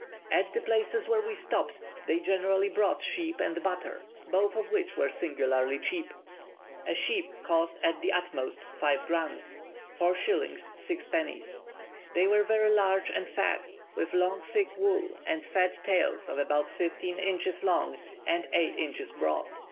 At the places where we stopped they generally brought sheep and butter, both of which were singularly cheap. A sheep cost at the utmost five krans (4s. 6d.). They were very large and fat, with long thick wool, and fat tails of about fifteen inches long and eight inches broad.